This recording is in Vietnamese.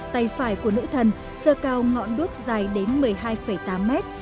tay phải của nữ thần sơ cao ngọn đuốc dài đến một mươi hai tám mét